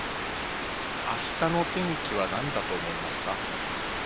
明日の天気はなんだと思いますか